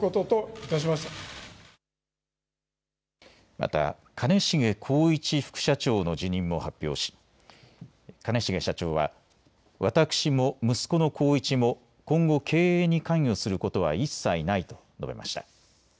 また兼重宏一副社長の辞任も発表し兼重社長は私も息子の宏一も今後、経営に関与することは一切ないと述べました。